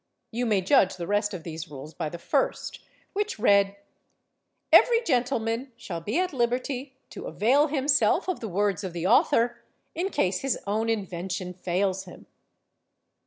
You may judge the rest of these rules by the first, which read: Every gentleman snail be at liberty to avail himself of the words of the author, in case his own invention fails him.